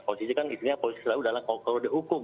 polisi kan isinya selalu dalam koridor hukum